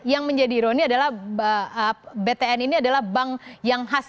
yang menjadi ironi adalah btn ini adalah bank yang khas